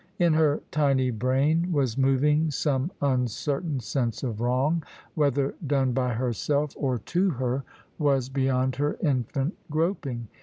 In her tiny brain was moving some uncertain sense of wrong; whether done by herself, or to her, was beyond her infant groping.